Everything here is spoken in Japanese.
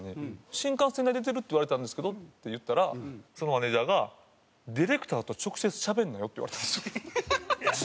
新幹線代出てるって言われたんですけどって言ったらそのマネジャーがディレクターと直接しゃべんなよって言われたんですよ。